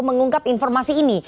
mengungkap informasi ini